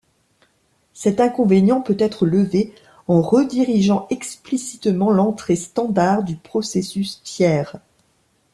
Cet inconvénient peut être levé en redirigeant explicitement l'entrée standard du processus tiers.